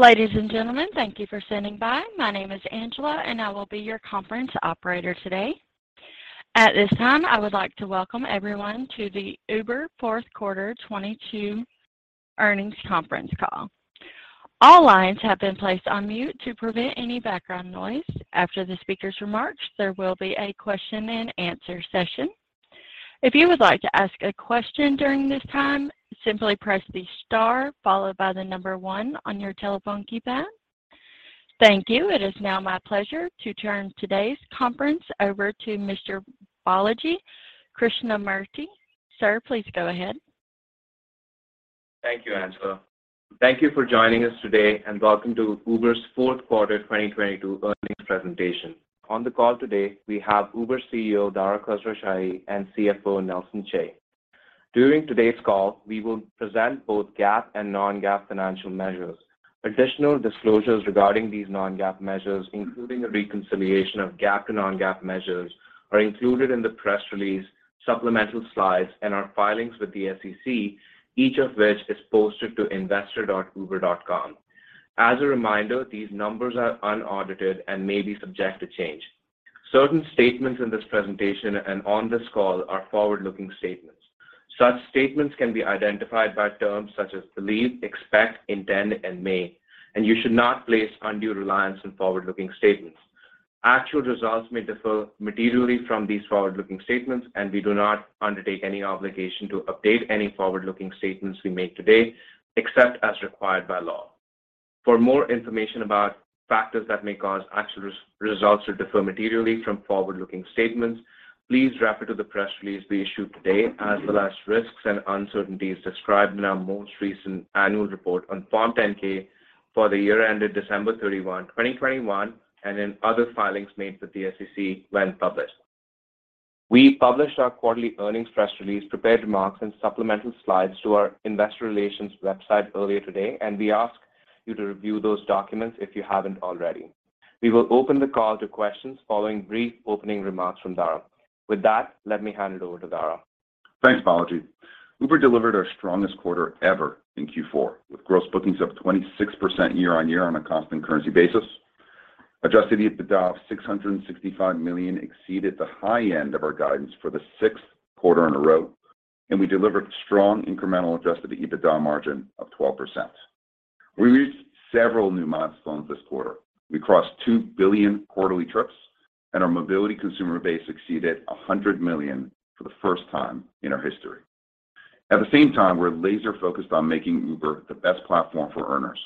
Ladies and gentlemen, thank you for standing by. My name is Angela. I will be your conference operator today. At this time, I would like to welcome everyone to the Uber Q4 2022 Earnings Conference Call. All lines have been placed on mute to prevent any background noise. After the speaker's remarks, there will be a question and answer session. If you would like to ask a question during this time, simply press the star followed by one on your telephone keypad. Thank you. It is now my pleasure to turn today's conference over to Mr. Balaji Krishnamurthy. Sir, please go ahead. Thank you, Angela. Thank you for joining us today, welcome to Uber's Q4 2022 Earnings Presentation. On the call today, we have Uber CEO, Dara Khosrowshahi, and CFO, Nelson Chai. During today's call, we will present both GAAP and non-GAAP financial measures. Additional disclosures regarding these non-GAAP measures, including a reconciliation of GAAP to non-GAAP measures, are included in the press release, supplemental slides, and our filings with the SEC, each of which is posted to investor.uber.com. As a reminder, these numbers are unaudited and may be subject to change. Certain statements in this presentation and on this call are forward-looking statements. Such statements can be identified by terms such as believe, expect, intend, and may, and you should not place undue reliance on forward-looking statements. Actual results may differ materially from these forward-looking statements. We do not undertake any obligation to update any forward-looking statements we make today, except as required by law. For more information about factors that may cause actual results to differ materially from forward-looking statements, please refer to the press release we issued today as well as risks and uncertainties described in our most recent annual report Form 10-K for the year ended December 31, 2021, and in other filings made with the SEC when published. We published our quarterly earnings press release, prepared remarks, and supplemental slides to our Investor Relations website earlier today. We ask you to review those documents if you haven't already. We will open the call to questions following brief opening remarks from Dara. With that, let me hand it over to Dara. Thanks, Balaji. Uber delivered our strongest quarter ever in Q4, with Gross Bookings up 26% year-on-year on a constant currency basis. Adjusted EBITDA of $665 million exceeded the high end of our guidance for the 6th quarter in a row, and we delivered strong incremental Adjusted EBITDA margin of 12%. We reached several new milestones this quarter. We crossed two billion quarterly trips, and our mobility consumer base exceeded 100 million for the first time in our history. At the same time, we're laser-focused on making Uber the best platform for earners,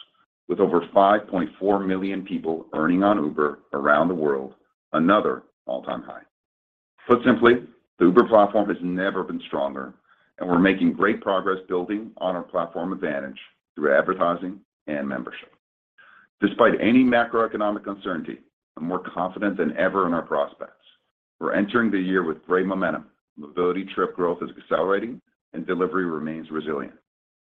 with over 5.4 million people earning on Uber around the world, another all-time high. Put simply, the Uber platform has never been stronger, and we're making great progress building on our platform advantage through advertising and membership. Despite any macroeconomic uncertainty, I'm more confident than ever in our prospects. We're entering the year with great momentum. Mobility trip growth is accelerating, and delivery remains resilient.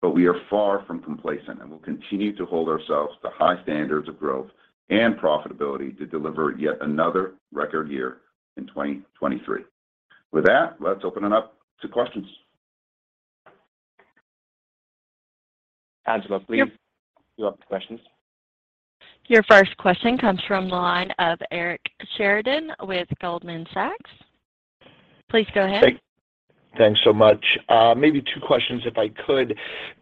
We are far from complacent, and we'll continue to hold ourselves to high standards of growth and profitability to deliver yet another record year in 2023. Let's open it up to questions. Angela, please. Yep. Cue up the questions. Your first question comes from the line of Eric Sheridan with Goldman Sachs. Please go ahead. Thanks so much. Maybe two questions if I could.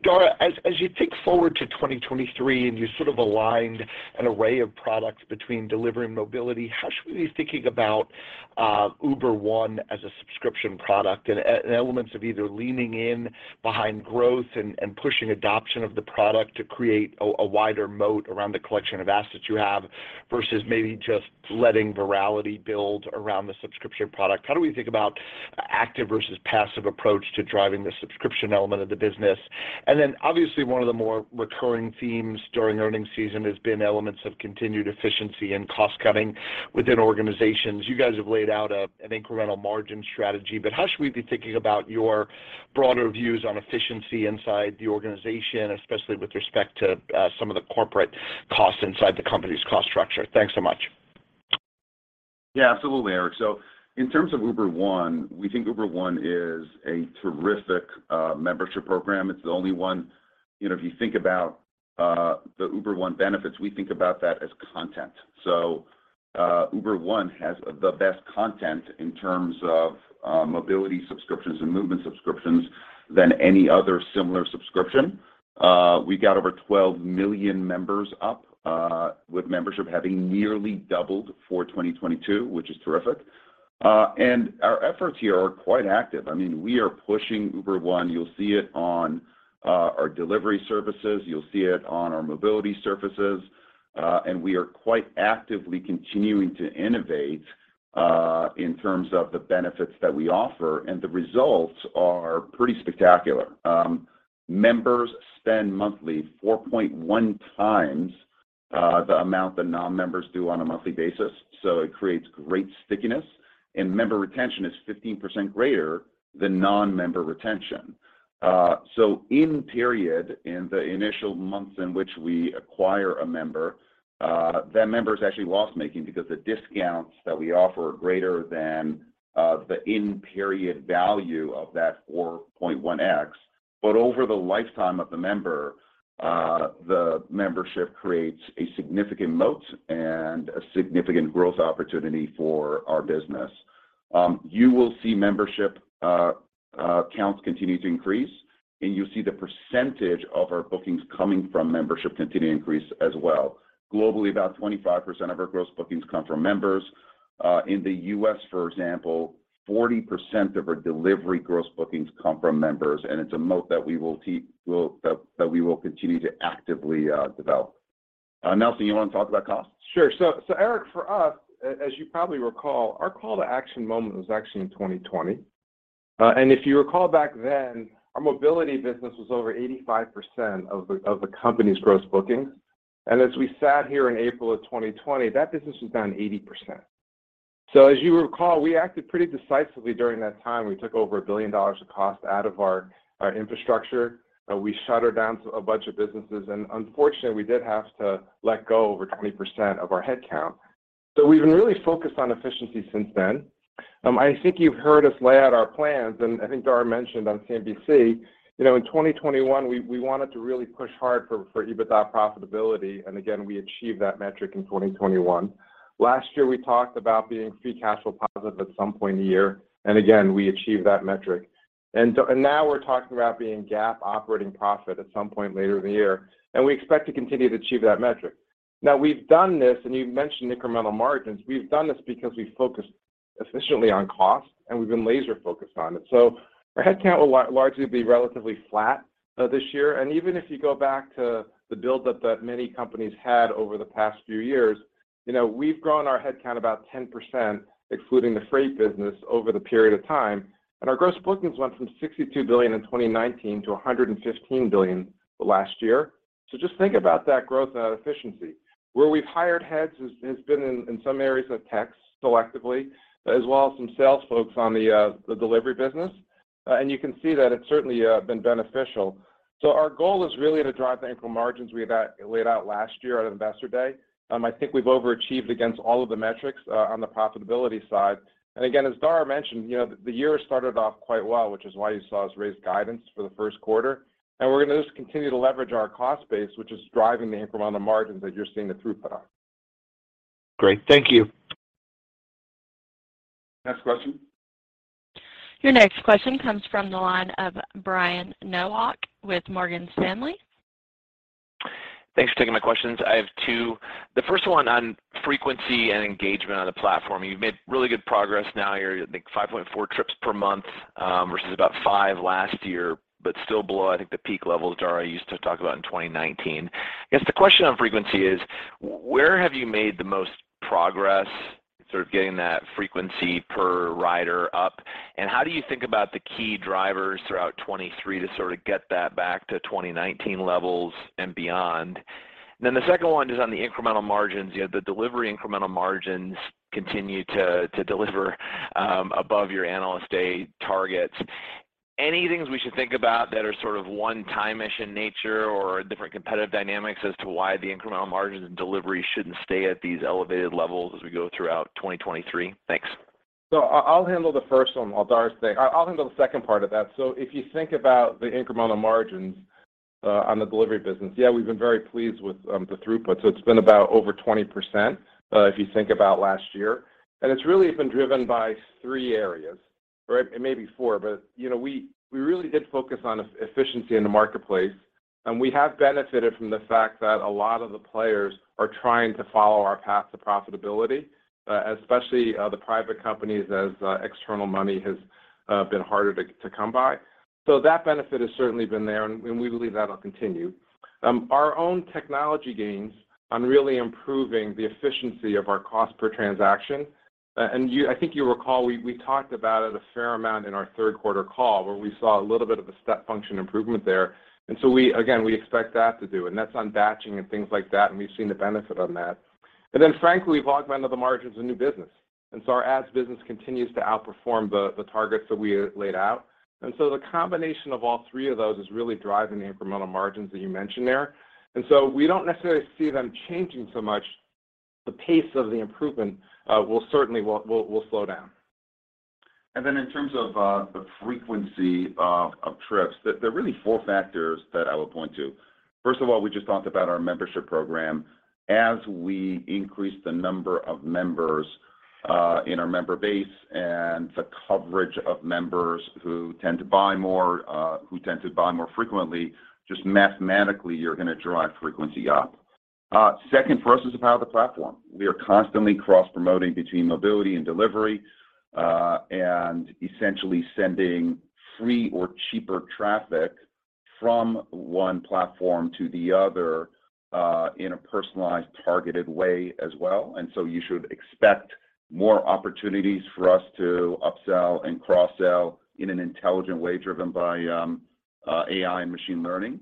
Dara, as you think forward to 2023 and you sort of aligned an array of products between delivery and mobility, how should we be thinking about Uber One as a subscription product and elements of either leaning in behind growth and pushing adoption of the product to create a wider moat around the collection of assets you have versus maybe just letting virality build around the subscription product? How do we think about active versus passive approach to driving the subscription element of the business? Obviously one of the more recurring themes during earnings season has been elements of continued efficiency and cost-cutting within organizations. You guys have laid out an incremental margin strategy. How should we be thinking about your broader views on efficiency inside the organization, especially with respect to some of the corporate costs inside the company's cost structure? Thanks so much. Yeah, absolutely, Eric. In terms of Uber One, we think Uber One is a terrific membership program. It's the only one. You know, if you think about the Uber One benefits, we think about that as content. Uber One has the best content in terms of mobility subscriptions and movement subscriptions than any other similar subscription. We got over 12 million members up with membership having nearly doubled for 2022, which is terrific. Our efforts here are quite active. I mean, we are pushing Uber One. You'll see it on our delivery services. You'll see it on our mobility services. We are quite actively continuing to innovate in terms of the benefits that we offer, and the results are pretty spectacular. Members spend monthly 4.1x the amount that non-members do on a monthly basis, so it creates great stickiness. Member retention is 15% greater than non-member retention. In period, in the initial months in which we acquire a member, that member is actually loss-making because the discounts that we offer are greater than the in-period value of that 4.1x. Over the lifetime of the member, the membership creates a significant moat and a significant growth opportunity for our business. You will see membership counts continue to increase, and you'll see the percentage of our bookings coming from membership continue to increase as well. Globally, about 25% of our Gross Bookings come from members. In the U.S., for example, 40% of our delivery Gross Bookings come from members. It's a moat that we will continue to actively develop. Nelson, you want to talk about costs? Sure. Eric, for us, as you probably recall, our call to action moment was actually in 2020. If you recall back then, our mobility business was over 85% of the company's Gross Bookings. As we sat here in April of 2020, that business was down 80%. As you recall, we acted pretty decisively during that time. We took over $1 billion of cost out of our infrastructure. We shuttered down a bunch of businesses, and unfortunately, we did have to let go over 20% of our headcount. We've been really focused on efficiency since then. I think you've heard us lay out our plans, and I think Dara mentioned on CNBC, you know, in 2021, we wanted to really push hard for EBITDA profitability, and again, we achieved that metric in 2021. Last year, we talked about being free cash flow positive at some point in the year, and again, we achieved that metric. Now we're talking about being GAAP operating profit at some point later in the year, and we expect to continue to achieve that metric. Now, we've done this, and you've mentioned incremental margins. We've done this because we focused efficiently on cost, and we've been laser-focused on it. Our headcount will largely be relatively flat this year. Even if you go back to the buildup that many companies had over the past few years, you know, we've grown our headcount about 10%, excluding the freight business, over the period of time. Our Gross Bookings went from $62 billion in 2019 to $115 billion last year. Just think about that growth and that efficiency. Where we've hired heads has been in some areas of tech selectively, as well as some sales folks on the delivery business. You can see that it's certainly been beneficial. Our goal is really to drive the incremental margins we had laid out last year at Investor Day. I think we've overachieved against all of the metrics on the profitability side. Again, as Dara mentioned, you know, the year started off quite well, which is why you saw us raise guidance for the Q1. We're gonna just continue to leverage our cost base, which is driving the incremental margins that you're seeing the throughput on. Great. Thank you. Next question. Your next question comes from the line of Brian Nowak with Morgan Stanley. Thanks for taking my questions. I have two. The first one on frequency and engagement on the platform. You've made really good progress now. You're at, I think, 5.4 trips per month, versus about five last year, but still below, I think, the peak levels Dara used to talk about in 2019. I guess the question on frequency is where have you made the most progress sort of getting that frequency per rider up, and how do you think about the key drivers throughout 2023 to sort of get that back to 2019 levels and beyond? The second one is on the incremental margins. You know, the delivery incremental margins continue to deliver above your Investor Day targets. Any things we should think about that are sort of one-time-ish in nature or different competitive dynamics as to why the incremental margins in delivery shouldn't stay at these elevated levels as we go throughout 2023? Thanks. I'll handle the first one while I'll handle the second part of that. If you think about the incremental margins on the delivery business, yeah, we've been very pleased with the throughput. It's been about over 20% if you think about last year. It's really been driven by three areas, or it may be four. You know, we really did focus on efficiency in the marketplace, and we have benefited from the fact that a lot of the players are trying to follow our path to profitability, especially the private companies as external money has been harder to come by. That benefit has certainly been there, and we believe that'll continue. Our own technology gains on really improving the efficiency of our cost per transaction. And you-I think you recall, we talked about it a fair amount in our Q3 call, where we saw a little bit of a step function improvement there. We, again, we expect that to do, and that's on batching and things like that, and we've seen the benefit on that. Frankly, we've augmented the margins in new business. Our ads business continues to outperform the targets that we had laid out. The combination of all three of those is really driving the incremental margins that you mentioned there. We don't necessarily see them changing so much. The pace of the improvement will certainly slow down. In terms of the frequency of trips, there are really four factors that I would point to. First of all, we just talked about our membership program. As we increase the number of members in our member base and the coverage of members who tend to buy more, who tend to buy more frequently, just mathematically, you're gonna drive frequency up. Second for us is the power of the platform. We are constantly cross-promoting between mobility and delivery, and essentially sending free or cheaper traffic from one platform to the other, in a personalized, targeted way as well. You should expect more opportunities for us to upsell and cross-sell in an intelligent way driven by AI and machine learning.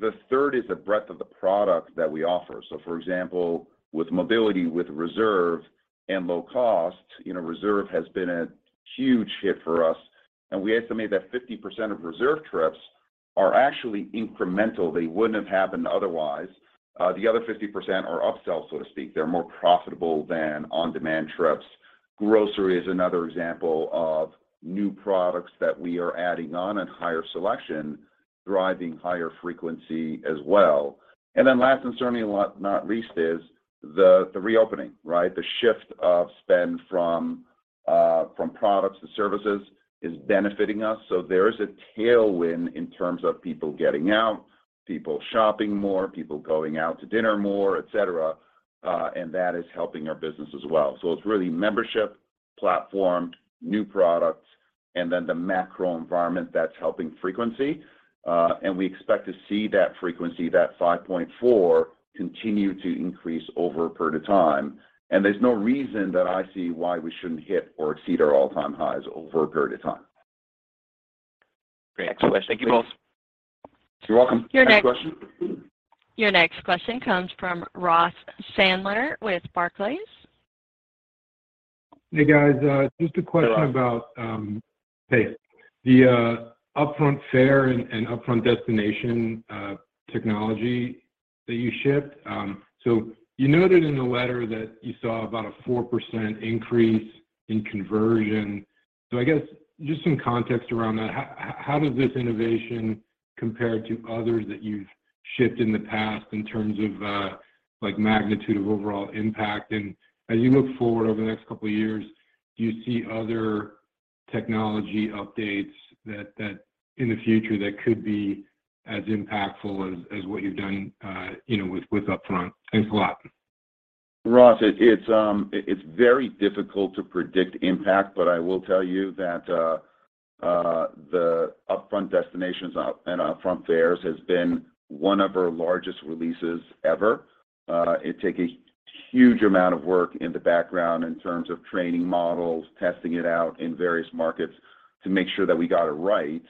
The third is the breadth of the product that we offer. For example, with mobility, with Uber Reserve and low cost, you know, Uber Reserve has been a huge hit for us. We estimate that 50% of Uber Reserve trips are actually incremental. They wouldn't have happened otherwise. The other 50% are upsells, so to speak. They're more profitable than on-demand trips. Grocery is another example of new products that we are adding on and higher selection driving higher frequency as well. Last and certainly not least is the reopening, right? The shift of spend from products to services is benefiting us. There is a tailwind in terms of people getting out, people shopping more, people going out to dinner more, et cetera, and that is helping our business as well. It's really membership, platform, new products, and then the macro environment that's helping frequency. We expect to see that frequency, that 5.4, continue to increase over a period of time. There's no reason that I see why we shouldn't hit or exceed our all-time highs over a period of time. Great. Next question. Thank you both. You're welcome. Your next- Next question. Your next question comes from Ross Sandler with Barclays. Hey, guys. Hey, Ross. Just a question about the upfront fare and upfront destination technology that you shipped. You noted in the letter that you saw about a 4% increase in conversion. I guess just some context around that. How does this innovation compare to others that you've shipped in the past in terms of like magnitude of overall impact? As you look forward over the next couple of years, do you see other technology updates that in the future that could be as impactful as what you've done, you know, with upfront? Thanks a lot. Ross, it's very difficult to predict impact, but I will tell you that the upfront destinations and upfront fares has been one of our largest releases ever. It took a huge amount of work in the background in terms of training models, testing it out in various markets to make sure that we got it right.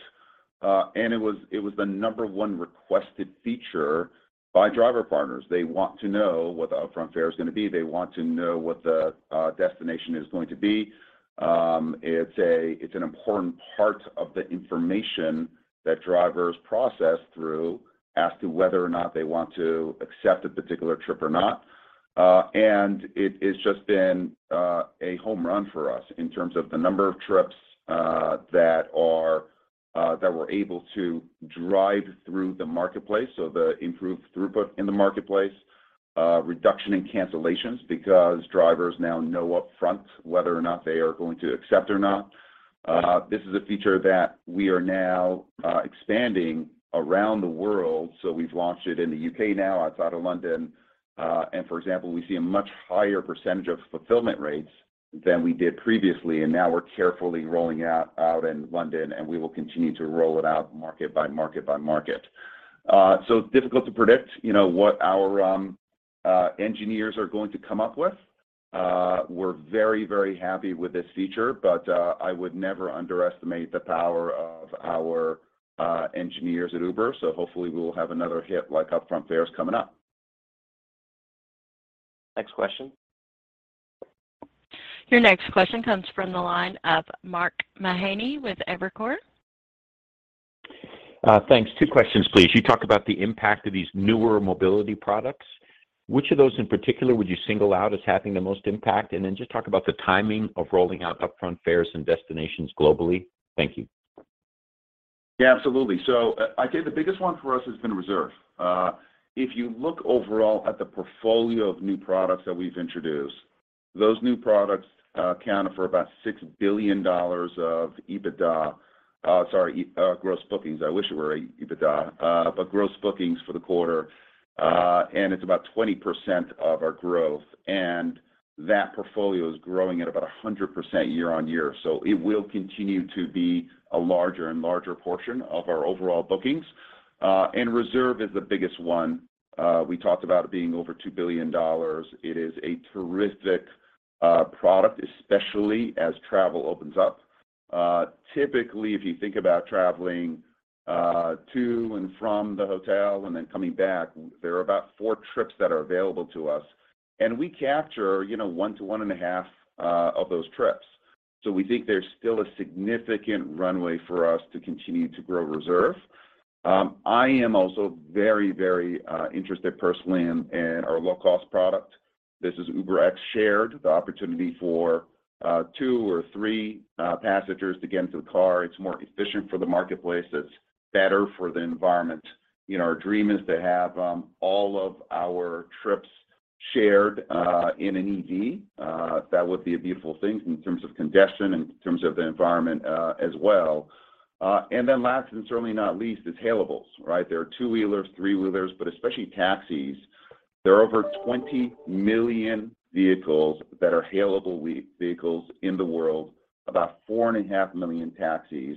It was the number one requested feature by driver partners. They want to know what the upfront fare is gonna be. They want to know what the destination is going to be. It's an important part of the information that drivers process through as to whether or not they want to accept a particular trip or not. It, it's just been a home run for us in terms of the number of trips, that we're able to drive through the marketplace, so the improved throughput in the marketplace, reduction in cancellations because drivers now know upfront whether or not they are going to accept or not. This is a feature that we are now expanding around the world. We've launched it in the U.K. now, outside of London. For example, we see a much higher percentage of fulfillment rates than we did previously, and now we're carefully rolling it out in London, and we will continue to roll it out market by market by market. Difficult to predict, you know, what our engineers are going to come up with. We're very, very happy with this feature, but I would never underestimate the power of our engineers at Uber. Hopefully we will have another hit like upfront fares coming up. Next question. Your next question comes from the line of Mark Mahaney with Evercore. Thanks. Two questions, please. You talk about the impact of these newer mobility products. Which of those in particular would you single out as having the most impact? Then just talk about the timing of rolling out upfront fares and destinations globally. Thank you. Yeah, absolutely. I'd say the biggest one for us has been Reserve. If you look overall at the portfolio of new products that we've introduced, those new products account for about $6 billion of Gross Bookings. I wish it were EBITDA. Gross Bookings for the quarter, and it's about 20% of our growth. That portfolio is growing at about 100% year-on-year. It will continue to be a larger and larger portion of our overall Bookings. Reserve is the biggest one. We talked about it being over $2 billion. It is a terrific product, especially as travel opens up. Typically, if you think about traveling, to and from the hotel and then coming back, there are about four trips that are available to us, and we capture, you know, one to one and a half of those trips. We think there's still a significant runway for us to continue to grow Uber Reserve. I am also very, very interested personally in our low-cost product. This is UberX Share, the opportunity for two or three passengers to get into the car. It's more efficient for the marketplace. It's better for the environment. You know, our dream is to have all of our trips shared in an EV. That would be a beautiful thing in terms of congestion, in terms of the environment, as well. Last and certainly not least is hailables, right? There are two-wheelers, three-wheelers, but especially taxis. There are over 20 million vehicles that are hailable vehicles in the world, about 4.5 million taxis.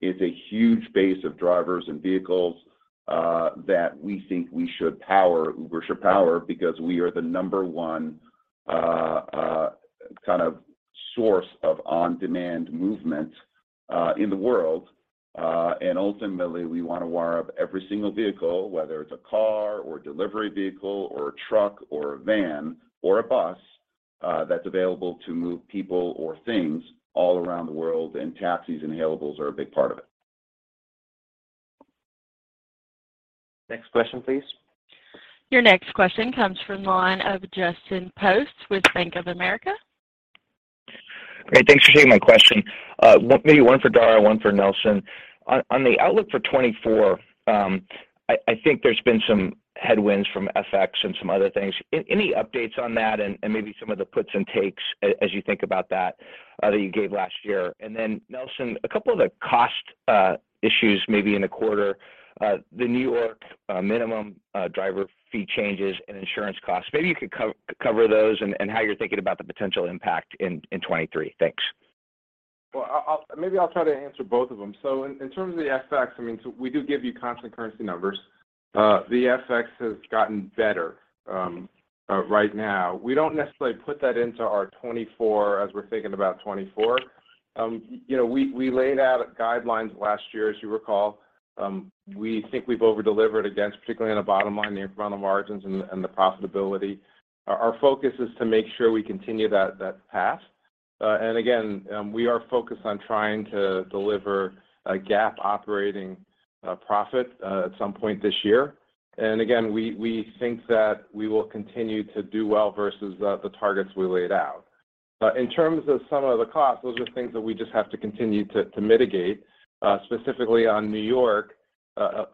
It's a huge base of drivers and vehicles that we think Uber should power because we are the number one kind of source of on-demand movement in the world. Ultimately, we wanna wire up every single vehicle, whether it's a car or a delivery vehicle or a truck or a van or a bus that's available to move people or things all around the world, and taxis and hailables are a big part of it. Next question, please. Your next question comes from the line of Justin Post with Bank of America. Great. Thanks for taking my question. maybe one for Dara, one for Nelson. On the outlook for 2024, I think there's been some headwinds from FX and some other things. Any updates on that and maybe some of the puts and takes as you think about that that you gave last year? Then Nelson, a couple of the cost issues maybe in the quarter, the New York minimum driver fee changes and insurance costs. Maybe you could cover those and how you're thinking about the potential impact in 2023. Thanks. Maybe I'll try to answer both of them. In terms of the FX, I mean, we do give you constant currency numbers. The FX has gotten better right now. We don't necessarily put that into our 2024 as we're thinking about 2024. You know, we laid out guidelines last year, as you recall. We think we've over-delivered against, particularly on the bottom line, the incremental margins and the profitability. Our focus is to make sure we continue that path. Again, we are focused on trying to deliver a GAAP operating profit at some point this year. Again, we think that we will continue to do well versus the targets we laid out. In terms of some of the costs, those are things that we just have to continue to mitigate. Specifically on New York,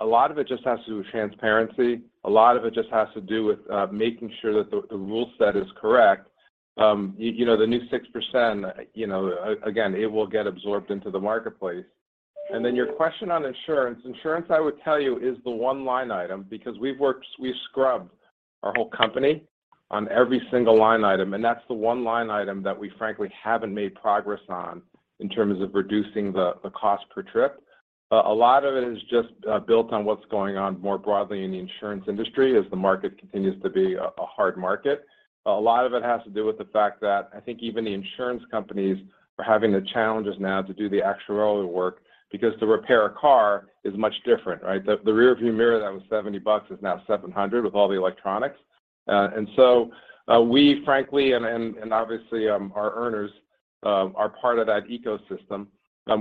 a lot of it just has to do with transparency. A lot of it just has to do with making sure that the rule set is correct. You know, the new 6%, you know, again, it will get absorbed into the marketplace. Your question on insurance, I would tell you, is the one line item because we scrub our whole company on every single line item, and that's the one line item that we frankly haven't made progress on in terms of reducing the cost per trip. A lot of it is just built on what's going on more broadly in the insurance industry as the market continues to be a hard market. A lot of it has to do with the fact that I think even the insurance companies are having the challenges now to do the actuarial work because to repair a car is much different, right? The rearview mirror that was $70 is now $700 with all the electronics. We frankly, obviously, our earners are part of that ecosystem.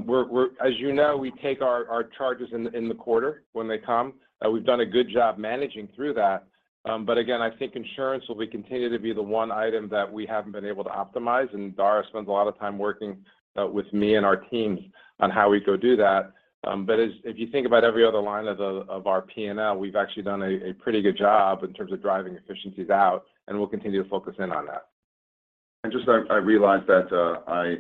We're as you know, we take our charges in the quarter when they come, and we've done a good job managing through that. Again, I think insurance will continue to be the one item that we haven't been able to optimize, and Dara spends a lot of time working with me and our teams on how we go do that. If you think about every other line of our P&L, we've actually done a pretty good job in terms of driving efficiencies out, and we'll continue to focus in on that. Just I realized that,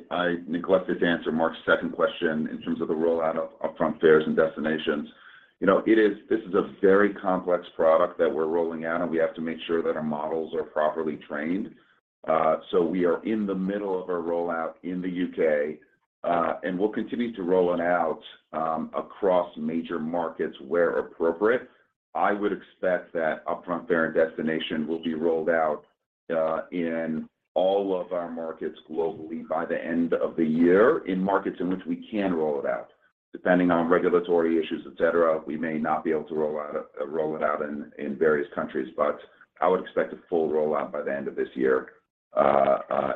I neglected to answer Mark's second question in terms of the rollout of upfront fares and destinations. You know, this is a very complex product that we're rolling out, and we have to make sure that our models are properly trained. So we are in the middle of a rollout in the U.K., and we'll continue to roll it out across major markets where appropriate. I would expect that upfront fare and destination will be rolled out in all of our markets globally by the end of the year in markets in which we can roll it out. Depending on regulatory issues, et cetera, we may not be able to roll it out in various countries. I would expect a full rollout by the end of this year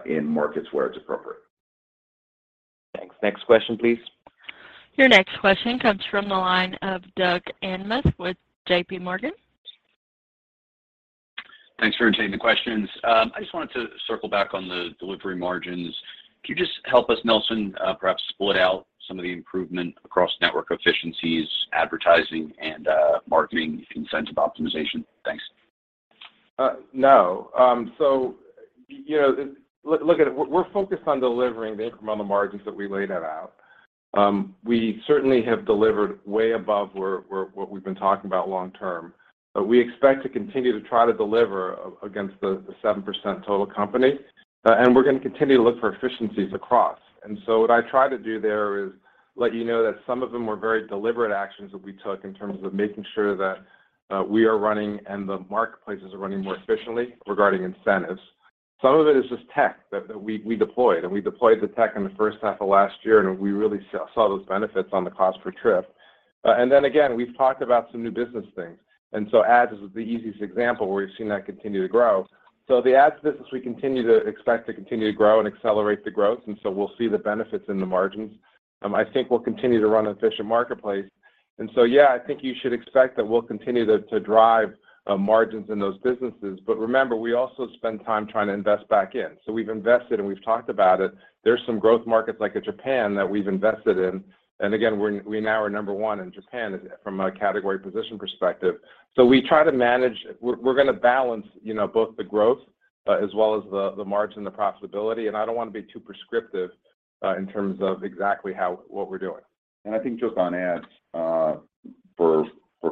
in markets where it's appropriate. Thanks. Next question, please. Your next question comes from the line of Doug Anmuth with JPMorgan. Thanks for taking the questions. I just wanted to circle back on the delivery margins. Could you just help us, Nelson, perhaps split out some of the improvement across network efficiencies, advertising, and marketing incentive optimization? Thanks. No. You know, look at it, we're focused on delivering the incremental margins that we laid out. We certainly have delivered way above what we've been talking about long term. We expect to continue to try to deliver against the 7% total company. We're gonna continue to look for efficiencies across. What I try to do there is let you know that some of them were very deliberate actions that we took in terms of making sure that we are running and the marketplaces are running more efficiently regarding incentives. Some of it is just tech that we deployed, and we deployed the tech in the first half of last year, and we really saw those benefits on the cost per trip. Then again, we've talked about some new business things. Ads is the easiest example where we've seen that continue to grow. The ads business, we continue to expect to continue to grow and accelerate the growth, and so we'll see the benefits in the margins. I think we'll continue to run an efficient marketplace. Yeah, I think you should expect that we'll continue to drive margins in those businesses. Remember, we also spend time trying to invest back in. We've invested, and we've talked about it. There's some growth markets like at Japan that we've invested in. Again, we now are number one in Japan from a category position perspective. We try to manage. We're gonna balance, you know, both the growth as well as the margin, the profitability. I don't wanna be too prescriptive, in terms of exactly what we're doing. I think just on ads, for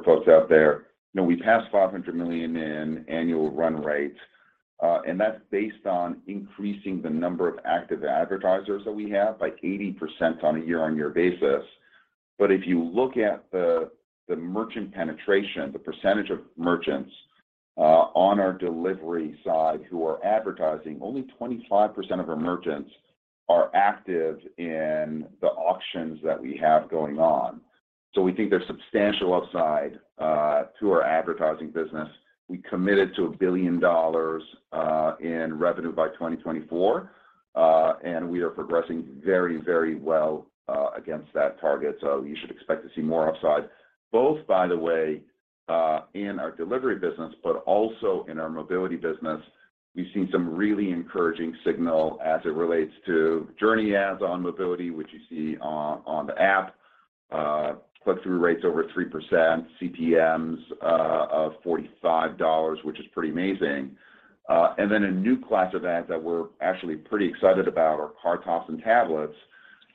folks out there, you know, we passed $500 million in annual run rates, and that's based on increasing the number of active advertisers that we have by 80% on a year-on-year basis. If you look at the merchant penetration, the percentage of merchants, on our delivery side who are advertising, only 25% of our merchants are active in the auctions that we have going on. We think there's substantial upside to our advertising business. We committed to $1 billion in revenue by 2024, and we are progressing very, very well against that target. You should expect to see more upside, both, by the way, in our delivery business, but also in our mobility business. We've seen some really encouraging signal as it relates to journey ads on mobility, which you see on the app, click-through rates over 3%, CPMs, of $45, which is pretty amazing. Then a new class of ads that we're actually pretty excited about are car tops and tablets,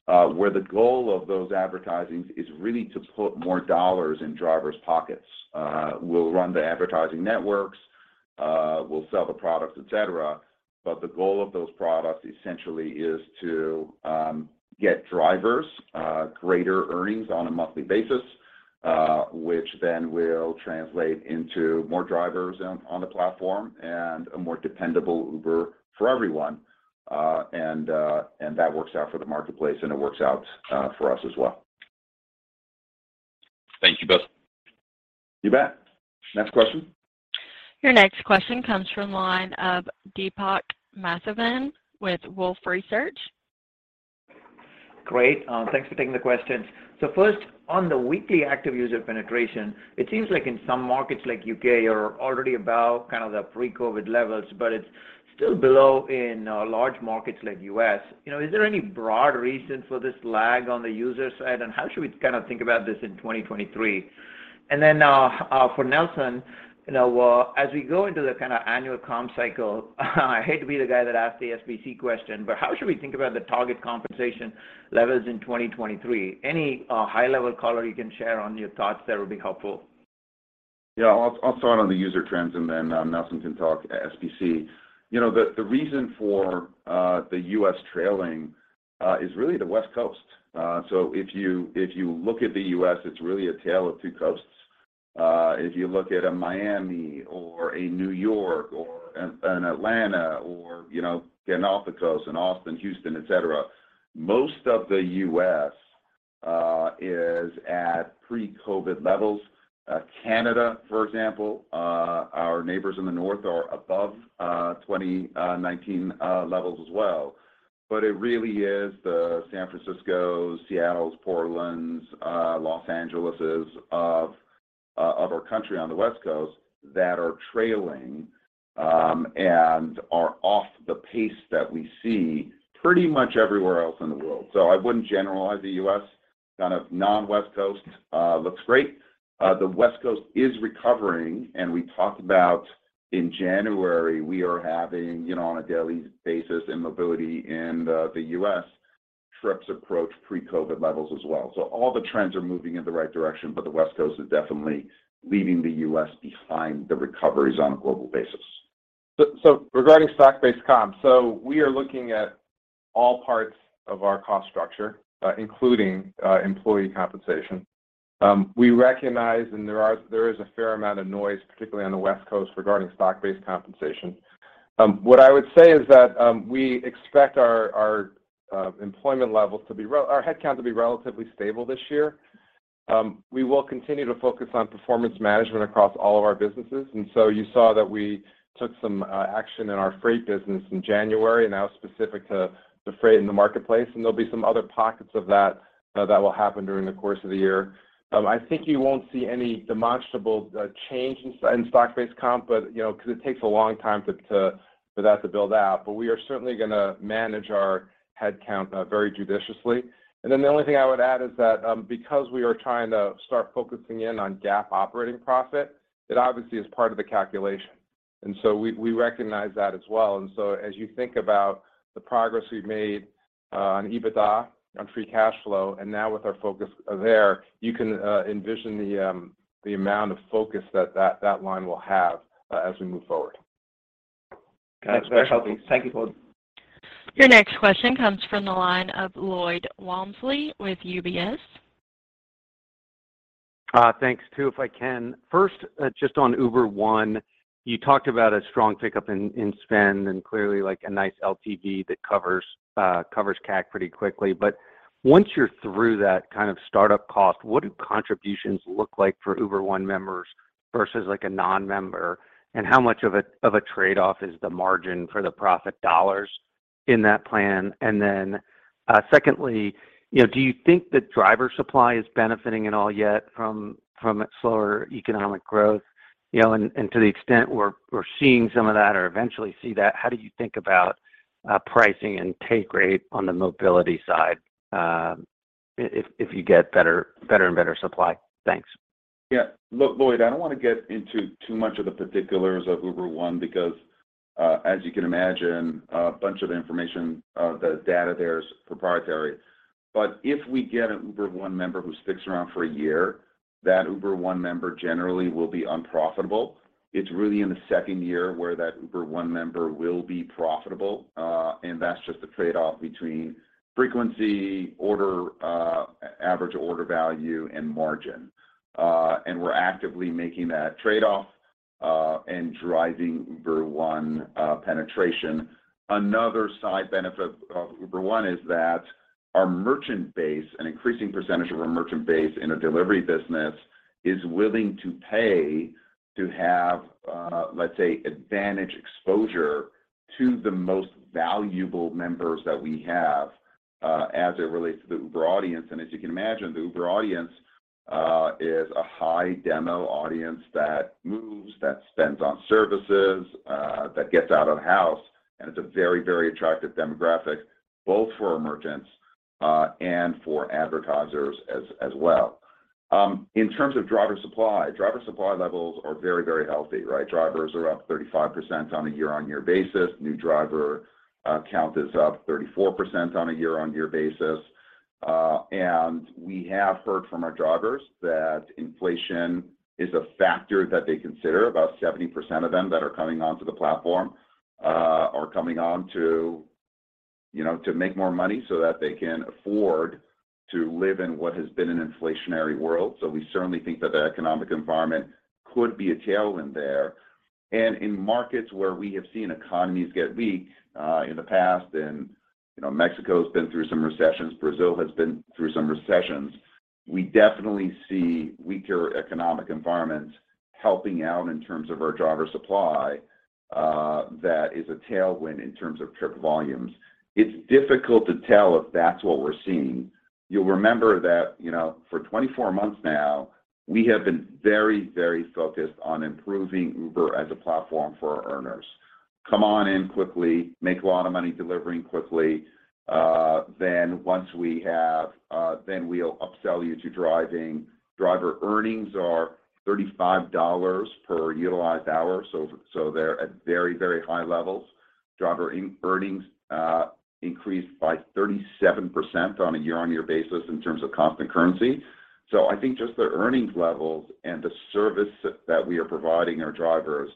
where the goal of those advertising is really to put more dollars in drivers' pockets. We'll run the advertising networks, we'll sell the products, et cetera, but the goal of those products essentially is to get drivers greater earnings on a monthly basis, which then will translate into more drivers on the platform and a more dependable Uber for everyone. That works out for the marketplace, and it works out for us as well. Thank you both. You bet. Next question. Your next question comes from the line of Deepak Mathivanan with Wolfe Research. Great. Thanks for taking the questions. First, on the weekly active user penetration, it seems like in some markets like U.K., you're already above kind of the pre-COVID levels, but it's still below in large markets like U.S. You know, is there any broad reason for this lag on the user side, and how should we kind of think about this in 2023? For Nelson, you know, as we go into the kind of annual comp cycle, I hate to be the guy that asks the SBC question, but how should we think about the target compensation levels in 2023? Any high-level color you can share on your thoughts there would be helpful. I'll start on the user trends, and then Nelson can talk SBC. You know, the reason for the U.S. trailing is really the West Coast. If you, if you look at the U.S., it's really a tale of two coasts. If you look at a Miami or a New York or an Atlanta or, you know, getting off the coast in Austin, Houston, et cetera, most of the U.S. is at pre-COVID levels. Canada, for example, our neighbors in the north are above 2019 levels as well. It really is the San Franciscos, Seattles, Portlands, Los Angeleses of our country on the West Coast that are trailing and are off the pace that we see pretty much everywhere else in the world. I wouldn't generalize the U.S. Kind of non-West Coast looks great. The West Coast is recovering. We talked about in January, we are having, you know, on a daily basis in mobility in the U.S., trips approach pre-COVID levels as well. All the trends are moving in the right direction. The West Coast is definitely leaving the U.S. behind the recoveries on a global basis. Regarding stock-based comp, we are looking at all parts of our cost structure, including employee compensation. We recognize, there is a fair amount of noise, particularly on the West Coast, regarding stock-based compensation. What I would say is that we expect our employment levels to be our head count to be relatively stable this year. We will continue to focus on performance management across all of our businesses. You saw that we took some action in our freight business in January and now specific to the freight in the marketplace, and there'll be some other pockets of that that will happen during the course of the year. I think you won't see any demonstrable change in stock-based comp, but, you know, 'cause it takes a long time for that to build out. We are certainly gonna manage our head count very judiciously. The only thing I would add is that because we are trying to start focusing in on GAAP operating profit, it obviously is part of the calculation. We recognize that as well. As you think about the progress we've made on EBITDA, on free cash flow, and now with our focus there, you can envision the amount of focus that that line will have as we move forward. That's very helpful. Thank you both. Your next question comes from the line of Lloyd Walmsley with UBS. Thanks, two if I can. First, just on Uber One, you talked about a strong pickup in spend and clearly like a nice LTV that covers CAC pretty quickly. Once you're through that kind of startup cost, what do contributions look like for Uber One members versus like a non-member? How much of a trade-off is the margin for the profit dollars in that plan? Secondly, you know, do you think the driver supply is benefiting at all yet from slower economic growth? You know, to the extent we're seeing some of that or eventually see that, how do you think about pricing and take rate on the mobility side, if you get better and better supply? Thanks. Yeah. Look, Lloyd, I don't want to get into too much of the particulars of Uber One because, as you can imagine, a bunch of the information, the data there is proprietary. If we get an Uber One member who sticks around for a year, that Uber One member generally will be unprofitable. It's really in the second year where that Uber One member will be profitable, and that's just a trade-off between frequency, order, average order value, and margin. We're actively making that trade-off, driving Uber One penetration. Another side benefit of Uber One is that our merchant base, an increasing percentage of our merchant base in a delivery business, is willing to have, let's say, advantage exposure to the most valuable members that we have, as it relates to the Uber audience. As you can imagine, the Uber audience is a high-demo audience that moves, that spends on services, that gets out of the house, and it's a very, very attractive demographic both for our merchants and for advertisers as well. In terms of driver supply, driver supply levels are very, very healthy, right? Drivers are up 35% on a year-on-year basis. New driver count is up 34% on a year-on-year basis. And we have heard from our drivers that inflation is a factor that they consider. About 70% of them that are coming onto the platform are coming on to, you know, to make more money so that they can afford to live in what has been an inflationary world. We certainly think that the economic environment could be a tailwind there. In markets where we have seen economies get weak, in the past, and you know, Mexico has been through some recessions, Brazil has been through some recessions, we definitely see weaker economic environments helping out in terms of our driver supply, that is a tailwind in terms of trip volumes. It's difficult to tell if that's what we're seeing. You'll remember that, you know, for 24 months now, we have been very, very focused on improving Uber as a platform for our earners. Come on in quickly, make a lot of money delivering quickly. Then we'll upsell you to driving. Driver earnings are $35 per utilized hour, so they're at very, very high levels. Driver earnings increased by 37% on a year-on-year basis in terms of constant currency. I think just the earnings levels and the service that we are providing our drivers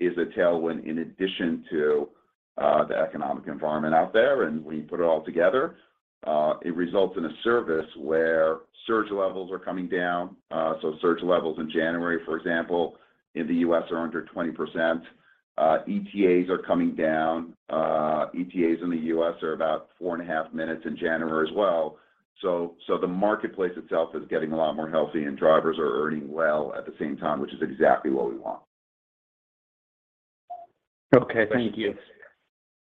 is a tailwind in addition to the economic environment out there. When you put it all together, it results in a service where surge levels are coming down. Surge levels in January, for example, in the U.S. are under 20%. ETAs are coming down. ETAs in the U.S. are about four and a half minutes in January as well. The marketplace itself is getting a lot more healthy, and drivers are earning well at the same time, which is exactly what we want. Okay. Thank you.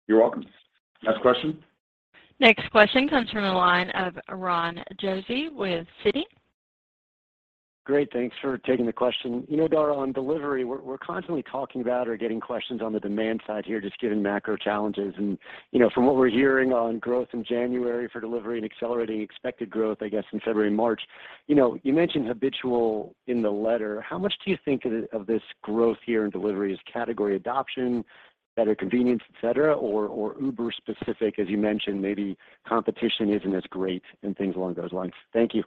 You're welcome. Next question. Next question comes from the line of Ron Josey with Citi. Great. Thanks for taking the question. You know, Dara, on delivery, we're constantly talking about or getting questions on the demand side here, just given macro challenges. You know, from what we're hearing on growth in January for delivery and accelerating expected growth, I guess, in February and March, you know, you mentioned habitual in the letter. How much do you think of this growth here in delivery is category adoption, better convenience, et cetera, or Uber-specific? As you mentioned, maybe competition isn't as great and things along those lines. Thank you.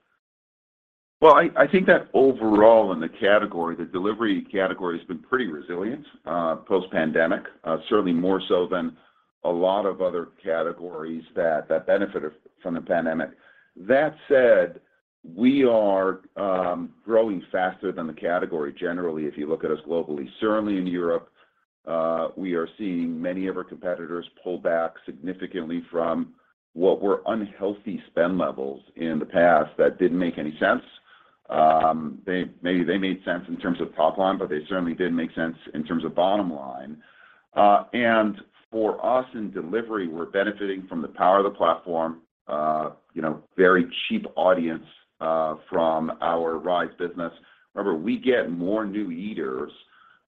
I think that overall in the category, the delivery category has been pretty resilient post-pandemic. Certainly more so than a lot of other categories that benefit from the pandemic. That said, we are growing faster than the category generally, if you look at us globally. Certainly in Europe, we are seeing many of our competitors pull back significantly from what were unhealthy spend levels in the past that didn't make any sense. Maybe they made sense in terms of top line, but they certainly didn't make sense in terms of bottom line. For us in delivery, we're benefiting from the power of the platform, you know, very cheap audience from our Rides business. Remember, we get more new eaters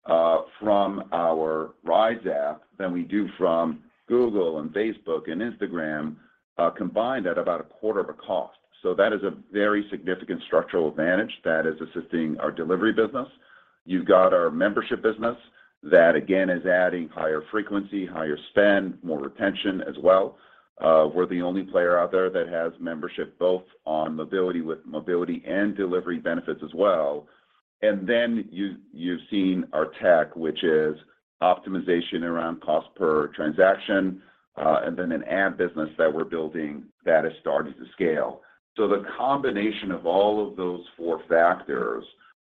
from our Rides app than we do from Google and Facebook and Instagram combined at about a quarter of a cost. That is a very significant structural advantage that is assisting our delivery business. You've got our membership business that again is adding higher frequency, higher spend, more retention as well. We're the only player out there that has membership both on mobility and delivery benefits as well. You've seen our tech, which is optimization around cost per transaction, and an ad business that we're building that is starting to scale. The combination of all of those four factors,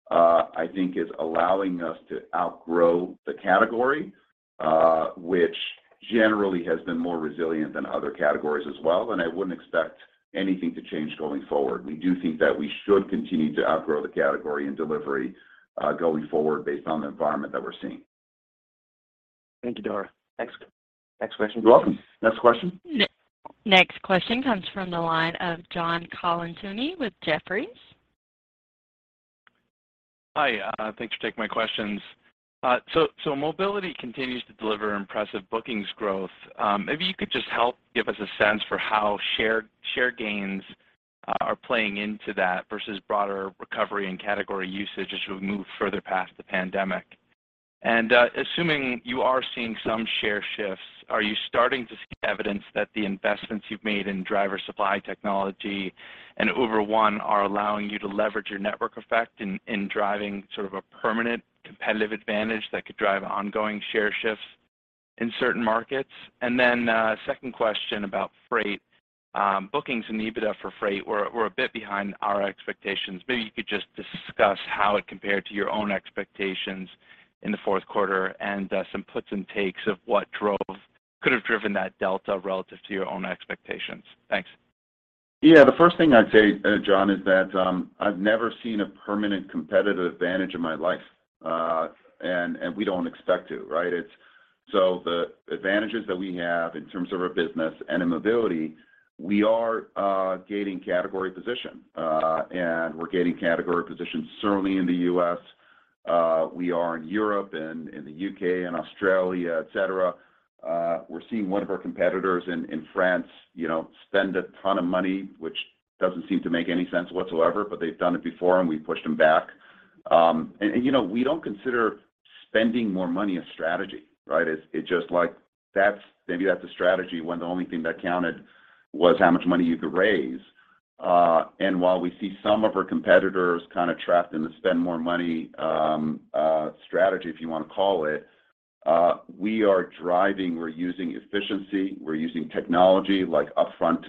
I think is allowing us to outgrow the category, which generally has been more resilient than other categories as well, and I wouldn't expect anything to change going forward. We do think that we should continue to outgrow the category in delivery, going forward based on the environment that we're seeing. Thank you, Dara. Thanks. Next question. You're welcome. Next question. Next question comes from the line of John Colantuoni with Jefferies. Hi. Thanks for taking my questions. Mobility continues to deliver impressive bookings growth. Maybe you could just help give us a sense for how shared gains are playing into that versus broader recovery and category usage as we move further past the pandemic. Assuming you are seeing some share shifts, are you starting to see evidence that the investments you've made in driver supply technology and Uber One are allowing you to leverage your network effect in driving sort of a permanent competitive advantage that could drive ongoing share shifts in certain markets? Second question about freight. Bookings and EBITDA for freight were a bit behind our expectations. Maybe you could just discuss how it compared to your own expectations in the Q4 and some puts and takes of what could have driven that delta relative to your own expectations. Thanks. Yeah, the first thing I'd say, John, is that I've never seen a permanent competitive advantage in my life, and we don't expect to, right? The advantages that we have in terms of our business and in mobility, we are gaining category position, and we're gaining category position certainly in the U.S., we are in Europe and in the U.K. and Australia, et cetera. We're seeing one of our competitors in France, you know, spend a ton of money, which doesn't seem to make any sense whatsoever, but they've done it before, and we've pushed them back. You know, we don't consider spending more money a strategy, right? Maybe that's a strategy when the only thing that counted was how much money you could raise. While we see some of our competitors kind of trapped in the spend more money, strategy, if you wanna call it, we are driving, we're using efficiency, we're using technology like upfront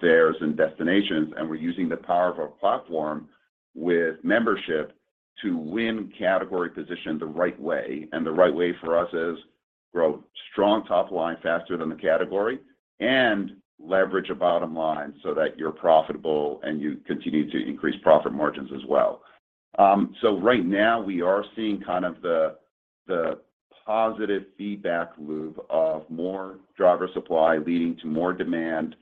fares and destinations, and we're using the power of our platform with membership to win category position the right way, and the right way for us is grow strong top line faster than the category and leverage a bottom line so that you're profitable and you continue to increase profit margins as well. Right now we are seeing kind of the positive feedback loop of more driver supply leading to more demand,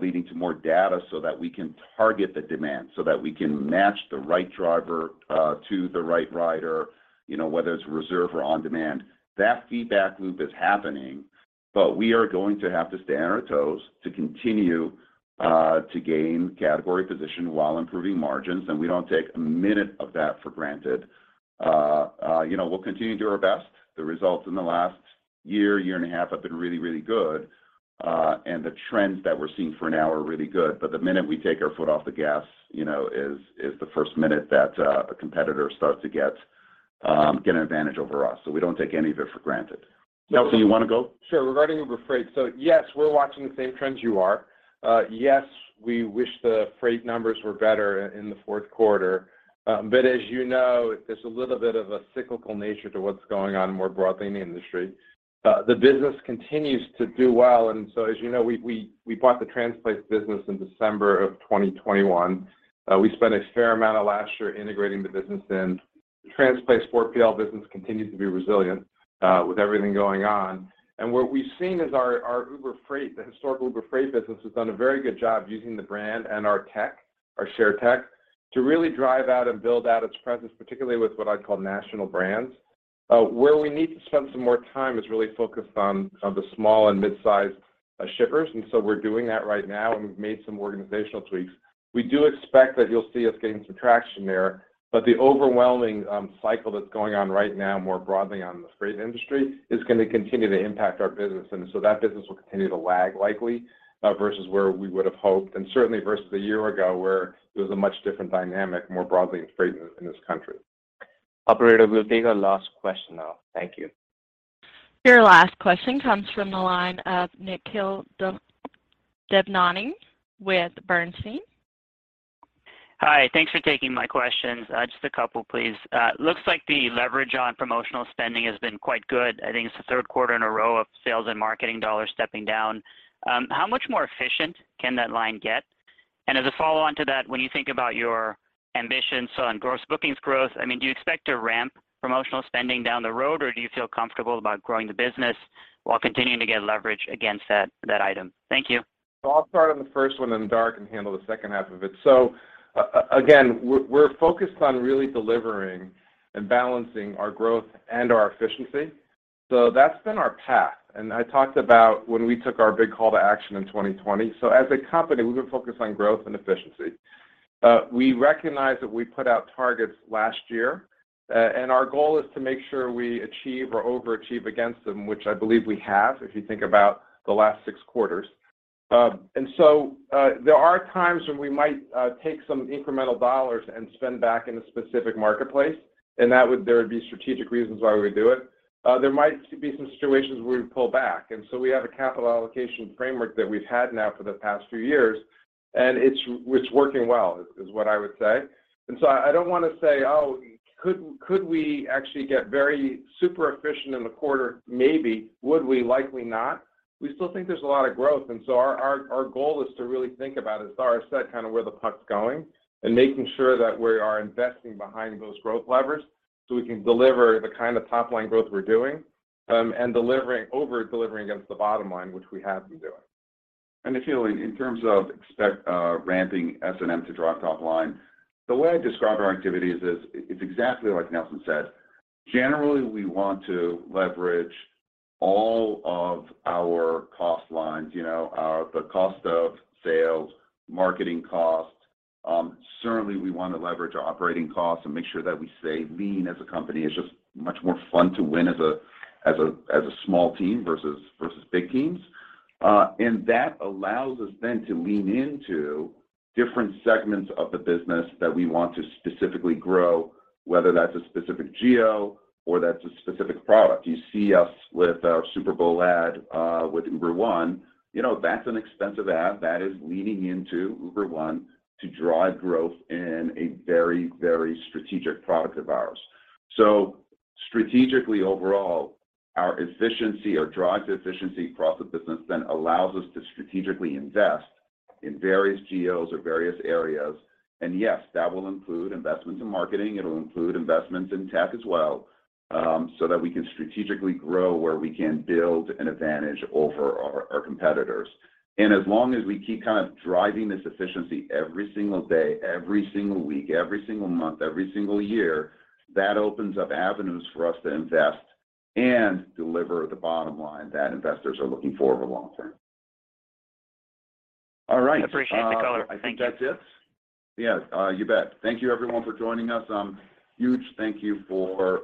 leading to more data so that we can target the demand, so that we can match the right driver to the right rider, you know, whether it's reserve or on-demand. That feedback loop is happening. We are going to have to stay on our toes to continue to gain category position while improving margins. We don't take a minute of that for granted. You know, we'll continue to do our best. The results in the last year and a half have been really, really good, and the trends that we're seeing for now are really good. The minute we take our foot off the gas, you know, is the first minute that a competitor starts to get an advantage over us. We don't take any of it for granted. Nelson, you wanna go? Sure. Regarding Uber Freight. Yes, we're watching the same trends you are. Yes, we wish the freight numbers were better in the Q4. As you know, there's a little bit of a cyclical nature to what's going on more broadly in the industry. The business continues to do well. As you know, we bought the Transplace business in December of 2021. We spent a fair amount of last year integrating the business in. The Transplace 4PL business continues to be resilient, with everything going on. What we've seen is our Uber Freight, the historical Uber Freight business has done a very good job using the brand and our tech, our share tech, to really drive out and build out its presence, particularly with what I'd call national brands. Where we need to spend some more time is really focused on the small and mid-sized shippers. We're doing that right now, and we've made some organizational tweaks. We do expect that you'll see us gaining some traction there, but the overwhelming cycle that's going on right now more broadly on the freight industry is gonna continue to impact our business. That business will continue to lag likely versus where we would have hoped, and certainly versus a year ago, where it was a much different dynamic more broadly in freight in this country. Operator, we'll take our last question now. Thank you. Your last question comes from the line of Nikhil Devnani with Bernstein. Hi. Thanks for taking my questions. Just a couple, please. Looks like the leverage on promotional spending has been quite good. I think it's the Q3 in a row of sales and marketing dollars stepping down. How much more efficient can that line get? As a follow-on to that, when you think about your ambitions on Gross Bookings growth, I mean, do you expect to ramp promotional spending down the road, or do you feel comfortable about growing the business while continuing to get leverage against that item? Thank you. I'll start on the first one, and Dara can handle the second half of it. Again, we're focused on really delivering and balancing our growth and our efficiency. That's been our path. I talked about when I took our big call to action in 2020. As a company, we've been focused on growth and efficiency. We recognize that we put out targets last year, and our goal is to make sure we achieve or overachieve against them, which I believe we have, if you think about the last six quarters. There are times when we might take some incremental dollars and spend back in a specific marketplace, there would be strategic reasons why we would do it. There might be some situations where we pull back. We have a capital allocation framework that we've had now for the past few years, and it's working well, is what I would say. I don't want to say, oh, could we actually get very super efficient in the quarter? Maybe. Would we? Likely not. We still think there's a lot of growth. Our goal is to really think about, as Dara said, kind of where the puck's going and making sure that we are investing behind those growth levers so we can deliver the kind of top-line growth we're doing, and over-delivering against the bottom line, which we have been doing. Nikhil, in terms of ramping S&M to drive top line, the way I describe our activities is exactly like Nelson said. Generally, we want to leverage all of our cost lines, you know, the cost of sales, marketing costs. Certainly, we want to leverage our operating costs and make sure that we stay lean as a company. It's just much more fun to win as a small team versus big teams. That allows us then to lean into different segments of the business that we want to specifically grow, whether that's a specific geo or that's a specific product. You see us with our Super Bowl ad, with Uber One, you know, that's an expensive ad. That is leaning into Uber One to drive growth in a very strategic product of ours. Strategically overall, our efficiency or drive to efficiency across the business then allows us to strategically invest in various geos or various areas. Yes, that will include investments in marketing. It'll include investments in tech as well, so that we can strategically grow where we can build an advantage over our competitors. As long as we keep kind of driving this efficiency every single day, every single week, every single month, every single year, that opens up avenues for us to invest and deliver the bottom line that investors are looking for over long term. All right. Appreciate the color. Thank you. I think that's it. Yeah. You bet. Thank you everyone for joining us. Huge thank you for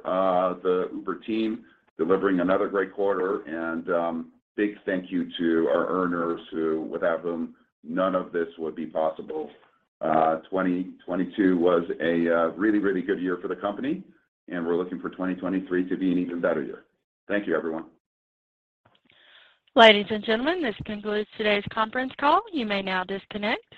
the Uber team delivering another great quarter. Big thank you to our earners who without them, none of this would be possible. 2022 was a really, really good year for the company, and we're looking for 2023 to be an even better year. Thank you, everyone. Ladies and gentlemen, this concludes today's conference call. You may now disconnect.